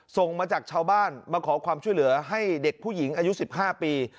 ส่งมาจากชาวบ้านมาขอความช่วยเหลือให้เด็กผู้หญิงอายุ๑๕ปี